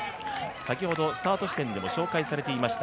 先ほどスタート地点でも紹介されていました